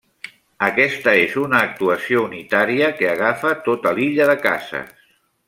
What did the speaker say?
Aquesta és una actuació unitària que agafa tota l'illa de cases.